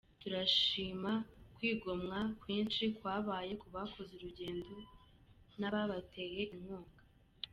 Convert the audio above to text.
Turashima kwigomwa kwinshi kwabaye kubakoze urugendo n’ababateye inkunga